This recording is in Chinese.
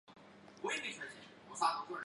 古泥在北燕天王冯跋属下任单于右辅。